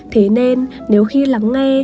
thế nên nếu khi lắng nghe